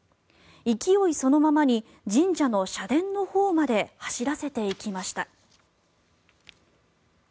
勢いそのままに神社の社殿のほうまで走らせていきました。